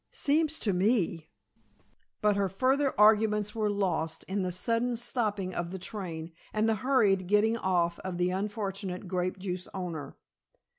"Seems to me " But her further arguments were lost in the sudden stopping of the train and the hurried getting off of the unfortunate grape juice owner.